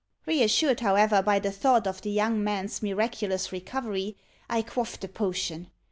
Reassured, however, by the thought of the young man's miraculous recovery, I quaffed the potion.